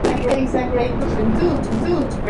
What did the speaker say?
Su cuñado Maura fue continuador de su obra ideológica.